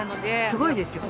すごいですよ。